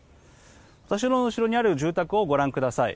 私の後ろにある住宅をご覧ください。